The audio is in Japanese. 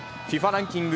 ランキング